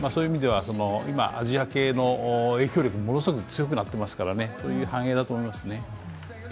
今アジア系の影響力、ものすごく強くなってますからねそういう反映だと思いますね。